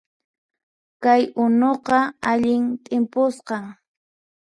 Kay unuqa allin t'impusqan